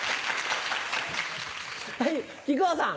はい木久扇さん。